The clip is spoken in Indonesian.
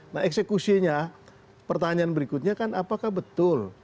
nah eksekusinya pertanyaan berikutnya kan apakah betul